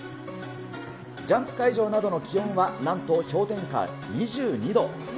ジャンプ会場などの気温はなんと氷点下２２度。